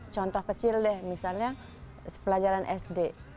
contoh kecil deh misalnya pelajaran sd